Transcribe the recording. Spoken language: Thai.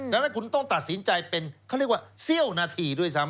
ดังนั้นคุณต้องตัดสินใจเป็นเขาเรียกว่าเสี้ยวนาทีด้วยซ้ำ